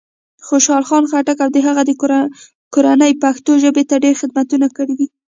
خوشال خان خټک او د هغه کورنۍ پښتو ژبې ته ډېر خدمتونه کړي دی.